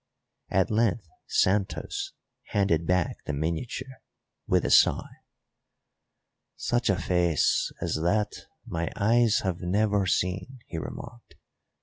At length Santos handed back the miniature, with a sigh. "Such a face as that my eyes have never seen," he remarked.